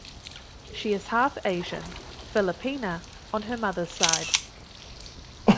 She is half Asian (Filipina) on her mother’s side.